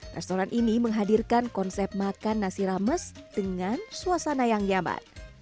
restoran ini menghadirkan konsep makan nasi rames dengan suasana yang nyaman